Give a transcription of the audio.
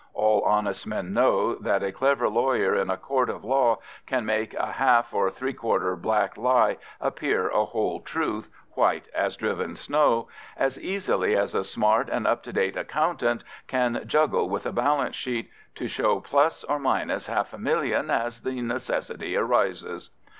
All honest men know that a clever lawyer in a court of law can make a half or three quarter black lie appear a whole truth white as driven snow, as easily as a smart and up to date accountant can juggle with a balance sheet to show + or half a million as the necessity arises.